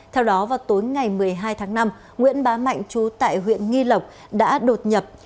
theo đó vào tối ngày một mươi hai tháng năm nguyễn bá mạnh trú tại huyện nghi lộc đã đột nhập